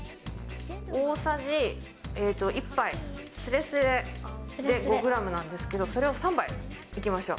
大さじ１杯すれすれで５グラムなんですけど、それを３杯いきましょう。